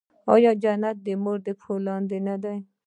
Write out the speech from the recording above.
آیا جنت د مور تر پښو لاندې نه دی؟